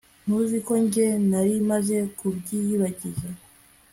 ntuzi ko njye narimaze kubyiyibagiza